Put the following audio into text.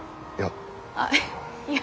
いや。